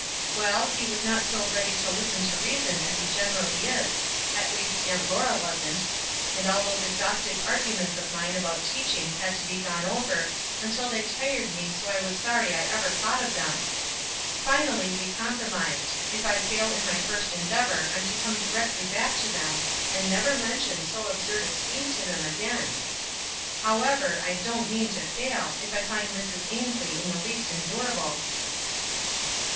"Well, he was not so ready to listen to rea son as he generally is — at least, Aunt Laura wasn't ; and all those exhaustive arguments of mine about teaching had to be gone over, until WISE AND OTHERWISE. 287 they tired me so I was sorry I ever thought of them. Finally we compromised ; if I fail in my first endeavor I'm to come directly back to them, and never mention so absurd a scheme to them again. However, I don't mean to fail, if I find Mrs. Ainslie in the least endurable."